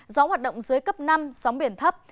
gió hoạt động dưới cấp năm sóng biển thấp